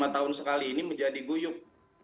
lima tahun sekali ini menjadi guyuk